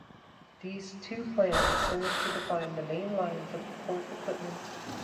These two plans served to define the main lines of the port equipment.